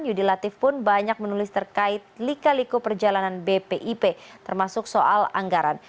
yudi latif pun banyak menulis terkait lika liku perjalanan bpip termasuk soal anggaran